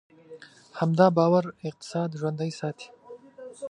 همدا باور اقتصاد ژوندی ساتي.